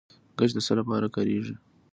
ګچ د څه لپاره کاریږي؟